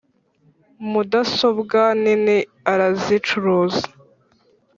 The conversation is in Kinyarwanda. Mudasobwa nini arazicuruza.